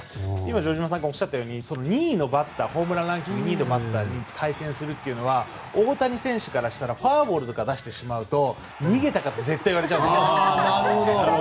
城島さんがおっしゃるようにホームランランキング２位のバッターと対戦するというのは大谷選手からするとフォアボールとか出してしまうと逃げたのかって絶対言われちゃうんですよ。